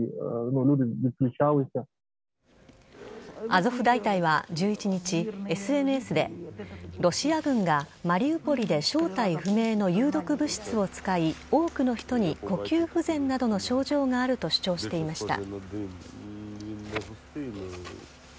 アゾフ大隊は１１日ＳＮＳでロシア軍がマリウポリで正体不明の有毒物質を使い多くの人に呼吸不全などの症状があると主張していました。